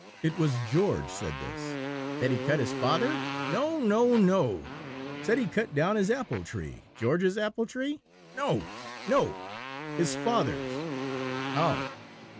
It was George said this." "Said he cut his father?" "No, no, no; said he cut down his apple tree." "George's apple tree?" "No, no; his father's." "Oh!"